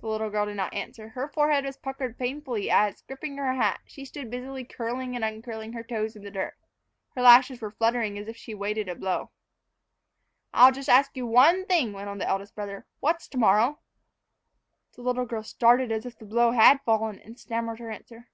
The little girl did not answer. Her forehead was puckered painfully as, gripping her hat, she stood busily curling and uncurling her toes in the dirt. Her lashes were fluttering as if she awaited a blow. "I'll just ask you one thing," went on the eldest brother; "what's to morrow?" The little girl started as if the blow had fallen, and stammered her answer.